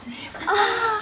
ああ。